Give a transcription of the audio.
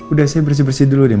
udah saya bersih bersih dulu deh